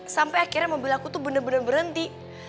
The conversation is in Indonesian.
sampai akhirnya mobil aku tuh bener bener berhenti